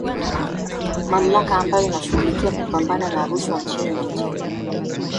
mamlaka ambayo inashughulikia kupambana na rushwa nchini nigeria